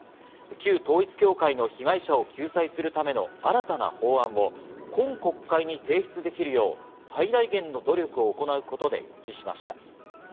旧統一教会の被害者を救済するための新たな法案を今国会に提出できるよう、最大限の努力を行うことで一致しました。